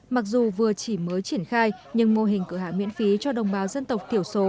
mặc dù vừa chỉ mới triển khai nhưng mô hình cửa hàng miễn phí cho đồng bào dân tộc thiểu số